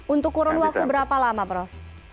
untuk kurun waktu berapa lama prof